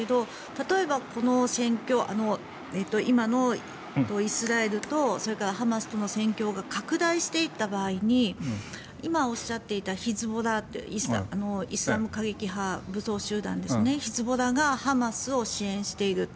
例えばイスラエルとハマスとの戦況が拡大していった場合に今おっしゃっていたヒズボライスラム過激派武装集団ヒズボラがハマスを支援している。